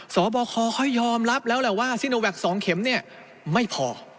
สอบคอเขายอมรับแล้วแหละว่าซิโนแวค๒เข็มเนี่ยไม่พอ